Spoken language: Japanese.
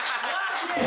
すげえ